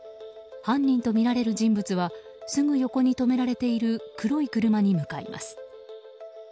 犯人とみられる人物はすぐ横に止められている黒い車に向かいます。